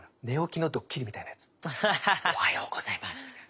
「おはようございます」みたいな。